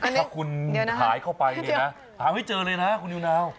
ถ้าคุณหายเข้าไปเนี่ยนะหาไม่เจอเลยนะคุณนิวนาว